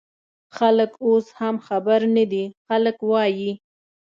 خلک اوس هم خبر نه دي، خلک وايي